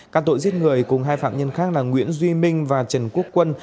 các tội giết người cùng hai phạm nhân khác là nguyễn duy minh và trần quốc quân